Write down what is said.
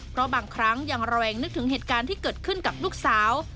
เพราะบางครั้งยังระแวงนึกถึงเหตุการณ์ที่เกิดขึ้นกับลูกสาว